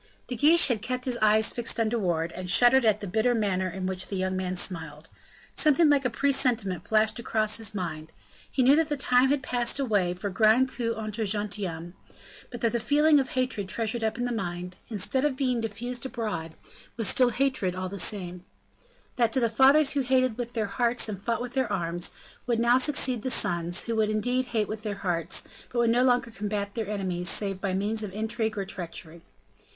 De Guiche had kept his eyes fixed on De Wardes, and shuddered at the bitter manner in which the young man smiled. Something like a presentiment flashed across his mind; he knew that the time had passed away for grands coups entre gentilshommes; but that the feeling of hatred treasured up in the mind, instead of being diffused abroad, was still hatred all the same; that a smile was sometimes as full of meaning as a threat; and, in a word, that to the fathers who had hated with their hearts and fought with their arms, would now succeed the sons, who would indeed hate with their hearts, but would no longer combat their enemies save by means of intrigue or treachery.